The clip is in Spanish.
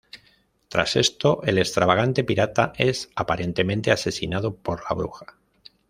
Tras esto, el extravagante pirata es aparentemente asesinado por la Bruja.